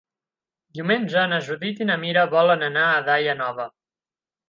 Diumenge na Judit i na Mira volen anar a Daia Nova.